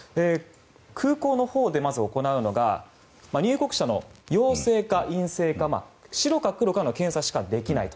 空港のほうでまず行うのが入国者の陽性か陰性か白か黒かの検査しかできないと。